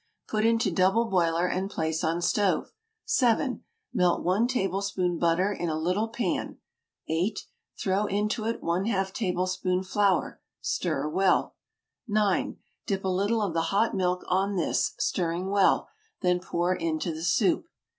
Put into double boiler and place on stove. 7. Melt 1 tablespoon butter in a little pan. 8. Throw into it ½ tablespoon flour. Stir well. 9. Dip a little of the hot milk on this, stirring well, then pour into the soup.